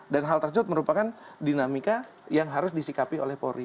dan hal tersebut merupakan dinamika yang harus disikapi oleh polri